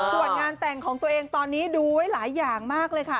ส่วนงานแต่งของตัวเองตอนนี้ดูไว้หลายอย่างมากเลยค่ะ